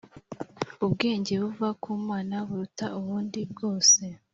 Ubwenge buva ku Mana buruta ubundi bwose